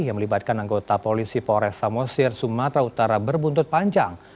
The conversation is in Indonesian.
yang melibatkan anggota polisi polres samosir sumatera utara berbuntut panjang